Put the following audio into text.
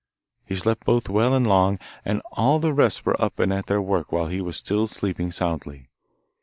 He slept both well and long, and all the rest were up and at their work while he was still sleeping soundly.